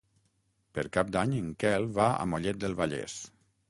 Per Cap d'Any en Quel va a Mollet del Vallès.